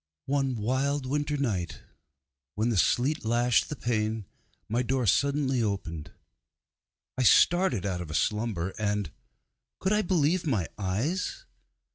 One wild winter night, when the sleet lashed the pane, my door suddenly opened. I started out of a slumber, and could I believe my eyes?